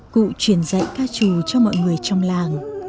cụ truyền dạy ca trù cho mọi người trong làng